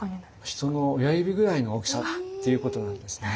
人の親指ぐらいの大きさっていうことなんですね。